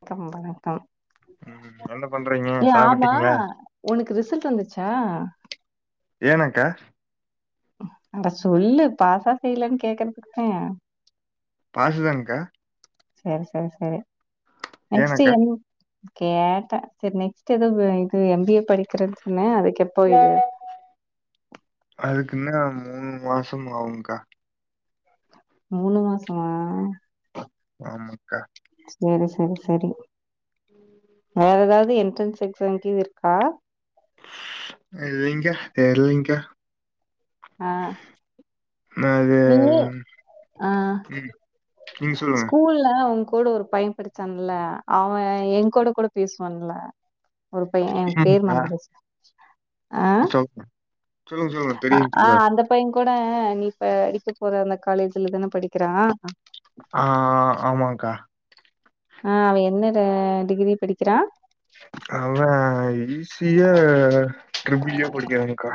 [unintelligible] ம் என்ன பண்றீங்க ஏ ஆமா சாப்பிட்டீங்களா உனக்கு ரிசல்ட் வந்துச்சு ஆஹ் ஏனக்கா அட சொல்லு பாசா ஃபெயிலான்னு கேக்கறதுக்கு தா பாசு தாங்கக்கா செரி செரி செரி நெக்ஸ்ட் ஏனக்கா என் கேட்டன் செரி நெக்ஸ்ட் ஏதோ இது எம்பிஏ படிக்கிறேன்னு சொன்ன அது அதுக்கு நேர ம் வாஷூ ஆவும் கா மூணு மாசமா ஆமாக்கா செரி செரி செரி வேற எதாவது என்ட்ரன்ஸ் செக்சன் கீழ் இருக்கா இல்லைங்க்கா இல்லைங்க்கா ஆ நீ ஆ ம் நீங்க சொல்லுங்க ஸ்கூல்ல உங் கூட ஒரு பயன் படிச்சான்ல அவன் என் கூட கூட பேசுவான்ல ஒரு பயன் எனக்கு பேர் மறந்து போச்சு ஆ அசோக் ஆ அந்த பையன் கூட ஆ நீ இப்ப விட்டு போற அந்த காலேஜ்லதானே படிக்கிறான் ஆ ஆமாங் க்கா ஆ அவ என்னது டிகிரி படிக்கிறா அவன் ஈசியா ட்ரிபில் ஈயோ படிக்கிறான்க்கா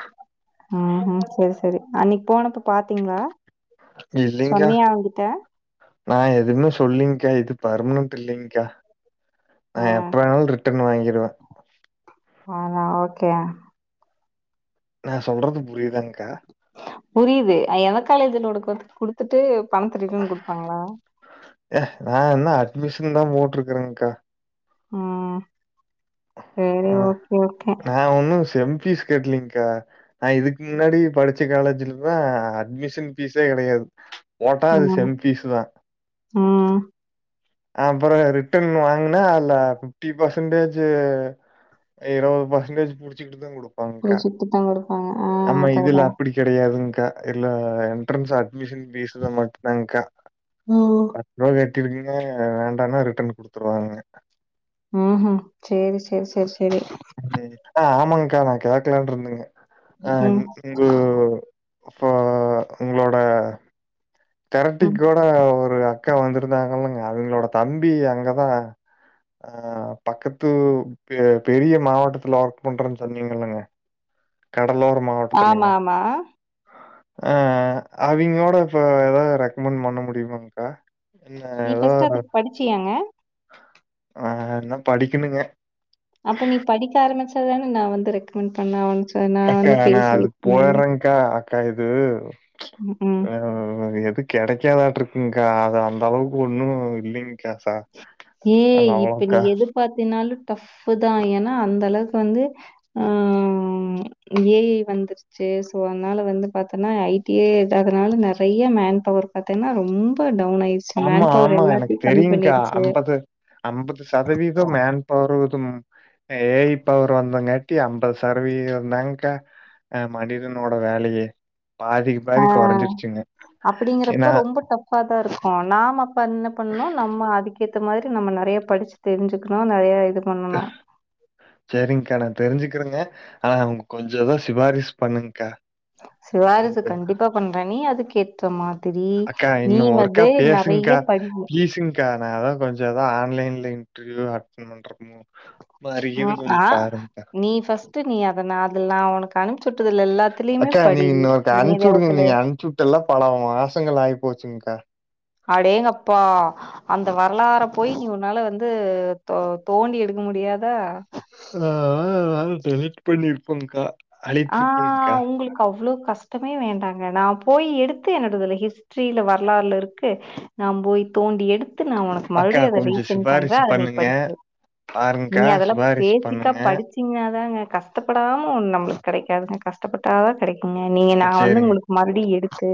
ம் ம் செரி செரி அன்னிக்கு போனப்ப பாத்துருந்த இல்லைங்க்கா சொன்னியா அவங்கிட்ட நான் எதுமே சொல்லீங்க்கா இது பர்மனன்ட் இல்லிங்க்கா நா ஆ எப்ப வேணாலும் ரிட்டர்ன் வாங்கிடுவேன் ஆமா ஓகே நான் சொல்றது புரியுதாங்க் க்கா புரியுது எந்த காலேஜ்ல உனக்கு குடுத்துட்டு பணத்த ரிட்டர்ன் குடுப்பாங்களா மிஷின் தா போட்டுருக்கேங்கா ம் செரி ஆ ஓகே ஓகே நான் ஒன்னும் செம் பீஸ் கட்டலங்கா ஆ இதுக்கு முன்னாடி படிச்ச காலேஜ்லதான் அட்மிஷன் பீஸ் கெடையாது போட்டா அது ம் செம் பீஸ்ஸு தான் ம் அப்பறோ ரிட்டன் வாங்குனா அதுல ஃபிப்டி பர்சன்டேஜ் இருபது பர்சன்டேஜ் புடிச்சிக்கிட்டு தான் கொடு போங்கா புடிச்சிட்டுதா குடுப்பாங்க ஆ ஆமா இதுல அதேதா அப்டி கெடையாதுங் கா இல்ல என்ட்ரன்ஸ் அட்மிஷன் ஃபீஸ்ல மட்டும்தா கா ம் அப்றவே கேளுங்க கே வேண்டானா ரிட்டன் குடுத்துருவாங்க ம்ஹும் சேரி செர் செர் செரி ந்தே ஆ ஆமாங்க்கா நா கேக்கலான்ட்ருந்தேங்க ஆ ம் இன்னிக்குங்கோ அப்போ உங்ளோட தெரட்டி ம் கூட ஒரு அக்கா வந்திருந்தாங்க [unintelligible] அவய்களோட தம்பி அங்கதா ஆ பக்கத்து பெரிய மாவட்டத்துல வர்க் பண்றேன் சொன்னீங்கில்லைங்க ஆமா ஆமா ஆ ஆ அவங்ளோட இப்ப ஏதாது ரெக்கமெண்ட் பண்ண முடியுமாங் க்கா நீ ஃபர்ஸ்ட் அதுக் படிச்சியாங்க ஆ இன்னூ படிக்கலிங்க அப்ப நீ படிக்க ஆரமிச்சதானே நான் வந்து ரெக்கமெண்ட் பண்ண அவாஞ்ச் அக்கா நா அதுக் போயிரங்க க இது ம். ஆ எதுக் கெடைக்காதான்ட்றுக்குங்க்கா அது அந்த அளவுக்கு ஒன்னு இல்லைங்கா சா ஏய் இப்ப நீ எது பாத்தினாலு டஃபு தா ஏனா அந்த அளவுக்கு வந்து ஆ ஏஐ வந்துருச்சு சோ அதனால வந்து பாத்தன்னா ஐடியே இல்லாதனால நறைய மேன் பவர் பாத்தீங்கன்னா ரொம்ப டவுன் ஆயிடுச்சு மேன் பவர் எல்லாத்தையும் கம்மி பண்ணிருச்சு அ ஐம்பது சதவீதம் மேன் பவர்வுதும் ஏஐ பவர் வந்தங்காட்டி ஐம்பது சரவீதம் தாங்கா அ மனிதனோட வேலையே பாதிக்கு அ பாதி குறைஞ்சிருச்சுங்க. ஏன்னா அப்படிங்கறப்ப ரொம்ப டஃப்பா தா இருக்கும் நாம பண்ணு பண்ணோ நம்ம அதிக்க இந்த மாரி நம்ம நறைய படிச்சு தெரிஞ்சுக்கணும் நறைய இது பண்ணணும். செரிங்க நா தெரிஞ்சுக்குரேங்க ஆனா அவுங்க கொஞ்சதோ சிபாரிஸ் பண்ணுங்கா சிவாரிஸு கண்டிப்பா பண்றே நீ அதுக் ஏற்றமா அக்கா இன்னு ஒருக்கா பேசுங்கா படி ப்ளீஸுங்கா நா எதோ கொஞ்சதா ஆன்லைன்ல் இன்டர்வியூ அட்டன் பண்றனுங்க ம் ஆ நீ ஃப்ஸ்ட் நீ அத ந அதெல்லாம் [unintelligible] நான் உனக்கு அனுப்ப அக்கா நீங்க இன்னொரு கா அனுப்ச்சு விடுங்க இணையதளத்துல நீங்க அனுப்ச்சு விட்டல்லாம் பல மாசங்கள் ஆகி கோச்சிங்கா அடேங்கப்பா அந்த வரலாற போய் உன்னால வந்து தோ தோண்டி எடுக்க முடியாதா ஆ டெலிட் பண்ணிருப்பங்க்கா ஆங் உங்களுக்கு அவ்வளோ கஷ்ட கஷ்டமே வேண்டாங்க நான் போய் எடுத்து என்னோடதுல ஹிஸ்ட்ரியல வரலாறுல இருக்கு நான் போய் தோண்டி எடுத்து நான் உனக்கு அக்கா மறுபடியும் அத கொஞ்சம் ரீசன் பண்ற சிபாரிசு அத நீ பண்ணுங்க. படி நீ பாருங்கக்கா, அதெல்லாம் சிபாரிசு பேசிக்கா பண்ணுங்க. படிச்சீங்கானாதாங்க கஷ்டப்படாம ஒன்னு நம்மளுக் கிடைக்காதுங்க கஷ்டப்பட்டாதான் கிடைக்கும் நீங்க நான் வந்து சரிங்க, உங்களுக்கு மறுபடியும் எடுத்து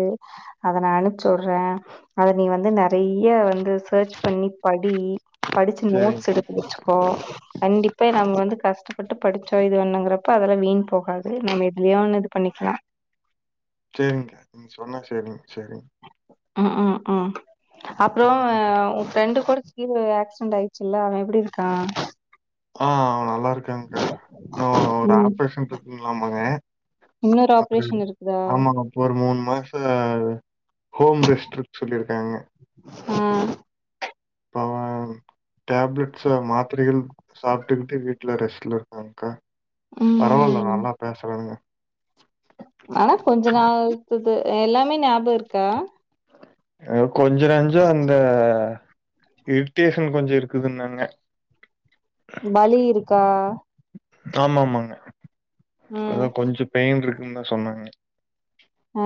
அத நான் அனுப்பச்சிவுட்றே அதை நீ வந்து ந டெய்லி அத வந்து சர்ச் பண்ணி படி படிச்சு சரிங்க, நோட்ஸ் எடுத்து வச்சுக்கோ கண்டிப்பா நாங்க வந்து கஷ்டப்பட்டு படிச்ச இது ஒண்ணுங்கிறப்ப அதெல வீண் போகாது நம்ம எதுலயோ ஒண்ணு இது பண்ணிக்கலாம் ச்சேரிங்கா நீங்க சொன்னா ச்சேரிங் ச்சேரிங் ம் ம் ம் அப்புறம் ம். உன் ஃப்ரெண்டு கூட இது ஆக்சிடெண்ட் ஆயிடுச்சு இல்ல அவன் எப்படி இருக்கான் ஆங் அவன் நல்லா இருக்கங்க்கா இன்னும் ஒரு ம் ஆப்ரேஷன் இருக்குங்லாமாங்க இன்னொரு ஆப்ரேஷன் இருக்குதா ஆமா இப்ப ஒரு மூணு மாச [unintelligible] ஹோம் ரெஸ்ட் இருக்க சொல்லியிருக்காங்க ஆ இப்ப அவன் டேப்லெட்ஸ் மாத்திரைகள் சாப்ட்டுக்கிட்டு வீட்ல ரெஸ்ட்ல இருக்காங்க்கா பரவால்ல ம் நல்லா பேசுறானுங்க ஆனா கொஞ்ச நாள்துது எல்லாமே ஞாபகம் இருக்கா கொஞ்சம் நஞ்சம் அந்த இரிட்டேஷன் கொஞ்சம் இருக்குதுன்னாங்க வலி இருக்கா ஆமா ஆமாங்க ம் அதான் கொஞ்சம் பெயின் இருக் என்ன சொன்னாங்க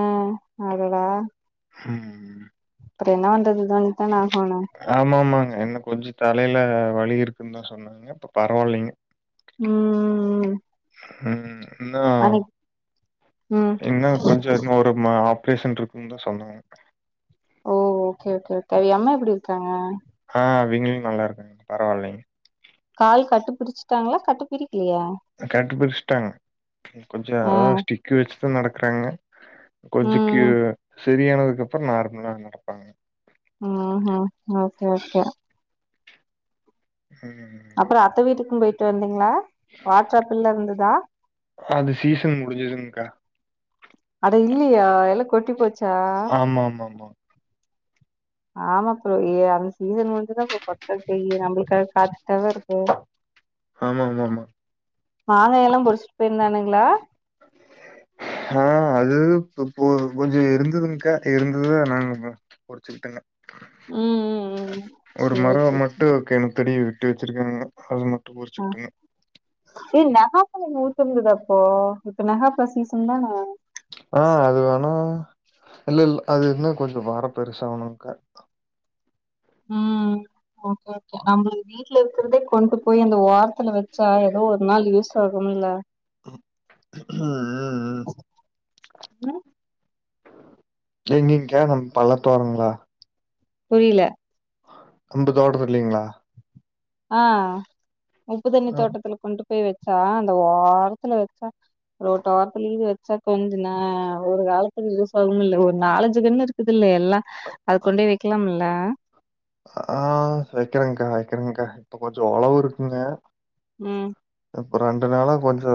ம் அடடா ம் ம் அப்புற என்ன வண்றது இதான ஆமாமாங்க என்ன கொஞ்ச தலையில வழி இருக்குன்னு தா சொன்னாங்க இப்ப பரவாயில்லைங்க உம் ஹ்ம் என்ன ம் என்ன கொஞ்சொ இன்னு ஒரு மா ஆப் பேசன் இருக்குன்னு தா சொன்னாங்க ஓ ஓகே ஓகே கே அவ அம்மா எப்படி இருக்காங்க ஆஹ் அவிங்களு நல்லாருக்காங்க பரவாயில்லைங் கால் கட்டுப்பிச்சட்டாங்களா கட்டுப்பிரி கட்டு பிரிச் ட்டாங்க கொஞ்ச ஆ அத ஸ்டிக் வச்சி ட்டு நடக்கறாங்க கொஞ்சக்கி ம் பிரியானதுக்கு அப்பற நார்மலா நடப்பாங்க உம்ஹம் ஓகே ஓகே ஹம் அப்பற அத்த வீட்டுக்கு போய்ட்டு வந்தே தா வாட்ஸப்பி இருந்துதா அது சீசன் முடிஞ்சதுங்கக்கா. அட இல்லையா எல்லா கொட்டி போச்சா ஆமாமாமா. ஆமாப்புரோ ஏ சீசன் வந்துதான்ப்ப பட்ட நம்மளுக்காக காத்து தேவ இருக்கு ஆமாமாமா. மாங்காயல்லா பொரிச்ட்டு போயிருந்தானுங்களா ஆஹ் அது பொ கொஞ்ச இருந்ததுங்க்கா இருந்ததுதா நாங்க பொடிச்சுக்கிட்டங்க ம் ம் ம் ஒரு சேரி மரம் சேரி சேரி மட்டும் கேண படி விட்டு வச்சிருக்காங்க ஆமா ஆஹ் ஏய் நவாப் அதுங்க ஊத்த இருந்ததப்போ இப்ப நெகாப்பழசீசன் தான ஆஹ் அது வேணும் இல்ல இல்ல அது இருன கொஞ்ச வர பெருசாணுக்கா உம் ஓகே கே நம்ம வீட்டுல இருக்கிறதே கொண்டு போய் அந்த ஓர த்துல வச்சா ஏதோ ஒரு நாள் யூஸ் சொகமில்ல ம் உம் உம் ம் எங்கங்கே நம்ம பள்ளத்தோரங்களா புரில நம்ப தோட்டத்துல இல்லீங்களா ஆஹ் உப்பு தண்ணி அம் தோட்டத்துல கொண்டுப் பேய் வெச்சா அந்த ஓரத்துல வெச்சா ரோட்டோரத்துலிந்து வச்சா கொஞ்சுனா ஒரு காலத்துல யூஸ் ஆகுமுல்ல ஒரு நாலஞ்சு கண்ணு இருக்குதுல்லே ல்லா அது கொண்டி வெக்கிலாம்ல் லா ஆ வெக்கறங்க்கா வெக்கறங்க்கா இப்ப கொஞ்ச ஒளவு இருக்குங்க ம் இப்ப ரெண்டு நாளா கொஞ்சோ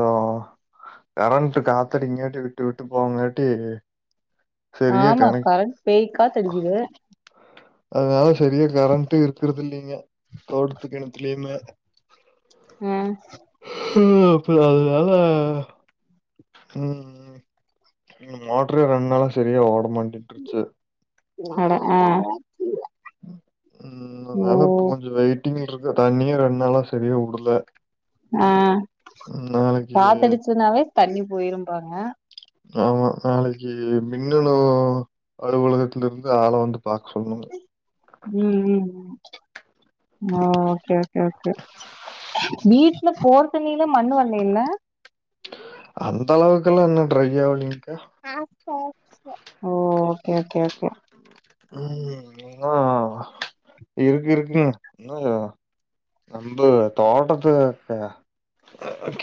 கரண்ட்டு காத்தடிங்காட்டி விட்டு விட்டு போவங்காட்டி சரியா ஆமா கனெக்ட் கரண்ட் பேய்க்காத்தடிக்கிது அதனால சரிய கரண்ட்டு இருக்குறதுல்லீங்க தோட்டுத்து கென்த்துலியுமே ஆ ம் அப்ப அதுனால ம் இங்க மோட்டரே ரெண்ட் நாளா செரியா ஓட மாண்டிட்ருச்சு அட ஆ ம் ஓ அதனால இப்போ கொஞ்சோ வெயிட்டிங் இருக் இந்த தண்ணியும் ரெண்ட் நாளா செரியா உடுல ஆ பாத்துட்டு சொன்னாவே தண்ணி போயிரும்ப்பாங்க ஆமா நாளைக்கி மின்னணு அலுவலகத்தலருந்து ஆள வந்து பாக்க சொன்னாங்க. ம் ம் ம் மா ஓகே ஓகே ஓகே வீட்ல போரு தண்ணில மண்ணு வர்லையில்ல அந்த அளவுக்குல்லா இன்னு ட்ரை ஆவுலிங் ஆ ஸ் ஓ ஓகே ஓகே ஓகே ம் இன்னு இருக்கு இருக்குங்க இன்னும் நம்ப தோட்டத்து கெ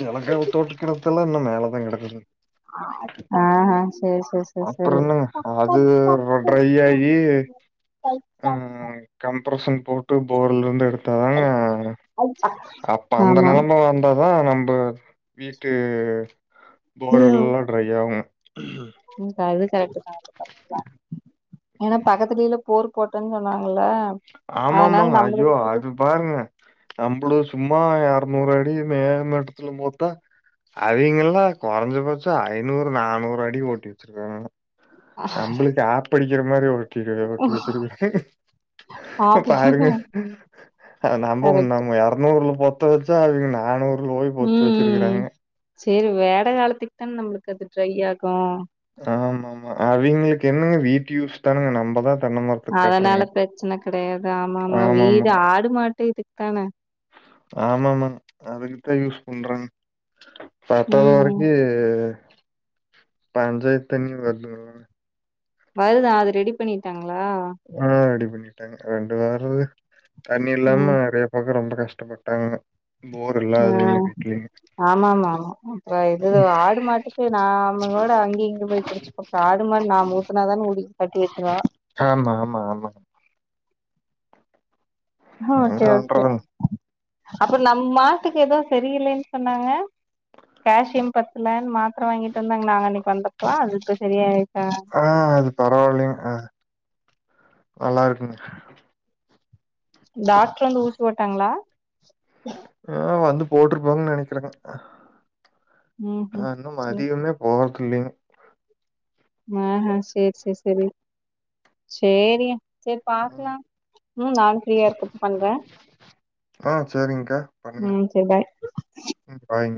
கெலக்கே உ தோட்ட கெணத்துல இன்னும் மேலதா கெடக்குதுங் ஆ ஆ சேரி சேரி சேரி அப்புறோ சேரி என்னங்க அது ர ட்ரை ஆயி உம் கம்ப்ரஷன் போட்டு போர்லருந்து எடுத்தா அப்ப அந்த ஆமா நெலம வந்தா அதான் நம்ப வீட்டு போர் எல்லாம் ட்ரை ஆவுங்க உம் அது கரெக்ட் ல [unintelligible] ஏன்னா பக்கத்துலிலும் போர் போட்டன் சொன்னா ஆமாமாங்க ஐயோ அது பாருங்க நம்மளோ சும்மா மா இரநூறு அடி மேல்மட்டத்துல போத்தா அவங்கல்லா கொறைஞ்சபச்ச ஐநூறு நானூறு அடி ஓட்டி வச்சிருக்காங்க நம்பளுக்கு ஆப்படி இ மாரி ஒரு ட்ட கிடையா ஒட்டி ஆ வச்சிருக்கன் பாருங்க அ அ நம கரெக்ட் நம்ம இரநூறுல போ ச்சா அவங்க நானும ய் பொத்து வெச்சிருக்கிறாங்க சரி வேடை காலத்துக்கு தானே நம்மளுக்கு அது ட்ரை ஆகு ஆமா ஆமா அவங்களுக்கு என்னங்க வீட்டு் யூஸ் தானுங்க நம்பதா அதனால பிரச்சனை கெடையாது ஆமா ஆமா ஆமாமா. வீடு ஆடு மாட்டே இதுக்கு தானே ஆமாமமா அதுக்குதா யூஸ் பண்றங்க பத்தாவது ம் வரைக்கி பஞ்சாயத்தண்ணி வல்ல [unintelligible] வருதா அது ரெடி பண்ணிட்டாங்க ஆஹ் ரெடி பண்ணிட்டாங்க ரெண்டு வார அஹ தண்ணி இல்லாம நிறைய பக்கோ ரொம்ப கஷ்டப்பட்டாங்க போர் இல்லாதவிங்க உஹம் வீட்லயும். ஆமா ஆமா ஆமா அப்புற இது ஆடு மாட்டுக்கு நா அவமோட அங்க இங்கு போய் குடிச்சுக்கப்புறம் ஆடு மாட்டு நாமூத்துனாதானே குடி ஆமா ஆமா ஆமா என்ன ஓகே ஓகே பண்றதுங்க. அப்பற நம் மாட்டுக்கு ஏதோ சரியில்லைன்னு சொன்னாங்க கேசியம் பத்துலன்னு மாட்டு அப்புற வாங்கிட்டு வந்தாங்க நாங்க அன்னைக்கு வந்துப்பல அது இப்ப சரியய் ஆஹ் அது பரவாயில்லலைங்க அஹ் நல்லா இருக்குங்கே டாக்டர் வந்து ஊசி போட்டாங்களா ஆஹ் வந்து போட்டிருப்போங்குன் நெனைக்கிறேங்க ம் ஆஹ இன்னு ம் மதியமே போ இல்லீங் ஆஹ செரி செரி செரி செரி செரி ம். பாக்கலா உம் நானு ஃப்ரீயா இருக்கப்ப பண்றேன் ஆ சரிங்கக்கா. பண்ணுங்க. உம் செரி பாய் ம் பாய்ங்க.